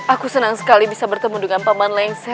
aku senang sekali bisa bertemu dengan paman lengser